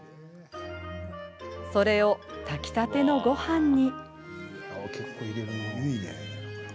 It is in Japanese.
それを、炊きたてのごはんに。